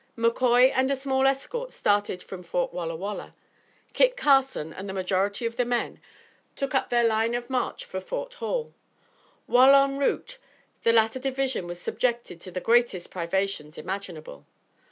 McCoy and a small escort started for Fort Walla Walla. Kit Carson and the majority of the men took up their line of march for Fort Hall. While en route, the latter division was subjected to the greatest privations imaginable.